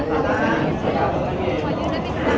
ขอบคุณหนึ่งนะคะขอบคุณหนึ่งนะคะ